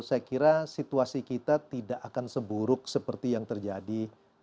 saya kira situasi kita tidak akan seburuk seperti yang terjadi